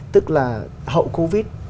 tức là hậu covid